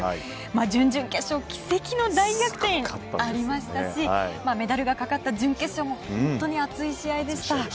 準々決勝奇跡の大逆転がありましたしメダルがかかった準決勝も本当に熱い試合でした。